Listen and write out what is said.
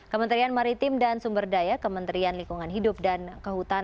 kementerian maritim dan sumberdaya kementerian lingkungan hidup dan kehutanan